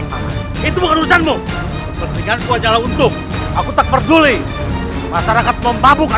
sebelum terjadi apa apa dengannya